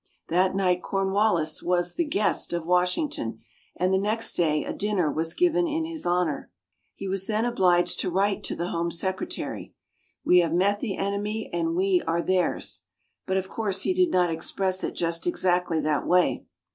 That night Cornwallis was the "guest" of Washington, and the next day a dinner was given in his honor. He was then obliged to write to the Home Secretary, "We have met the enemy, and we are theirs" but of course he did not express it just exactly that way.